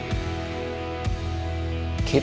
หนูอยากให้พ่อกับแม่หายเหนื่อยครับ